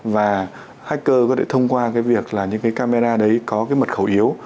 và hacker có thể thông qua cái việc là những cái camera đấy có cái mật khẩu yếu